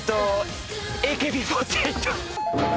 「ＡＫＢ４８」